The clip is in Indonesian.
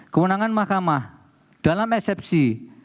kemenangan makamah dalam eksepsi